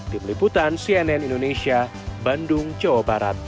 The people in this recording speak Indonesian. di peliputan cnn indonesia bandung jawa barat